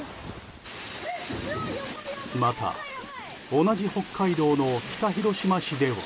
また、同じ北海道の北広島市では。